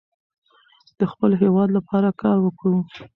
د خپل هیواد لپاره کار وکړو.